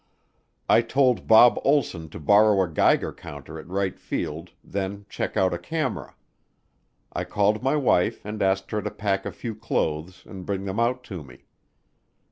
I told Bob Olsson to borrow a Geiger counter at Wright Field, then check out a camera. I called my wife and asked her to pack a few clothes and bring them out to me.